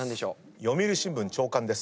読売新聞朝刊です。